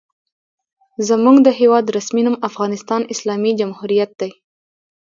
زموږ د هېواد رسمي نوم افغانستان اسلامي جمهوریت دی.